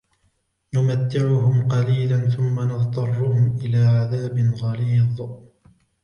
نمتعهم قليلا ثم نضطرهم إلى عذاب غليظ